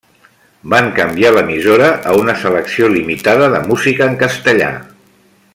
Van canviar l'emissora a una selecció limitada de música en castellà.